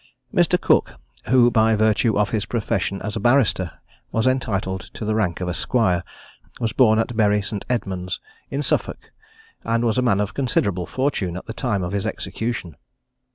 Mr. Cooke, who by virtue of his profession as a barrister was entitled to the rank of esquire, was born at Bury St. Edmunds, in Suffolk, and was a man of considerable fortune at the time of his execution.